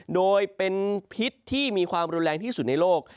โดยเป็นพิษที่มีความรุนแรงที่สุดในโลก